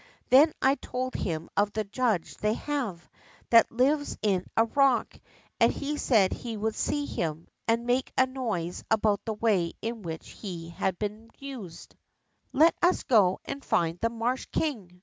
Then I told him of the judge they have, that lives in a rock, and he said he would see him, and make a noise about the way in which he had been used.'^ THE MARSH FROG 35 Let us go and find the marsh king